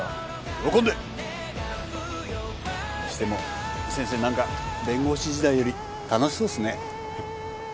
喜んで！にしても先生何か弁護士時代より楽しそうっすねははっ。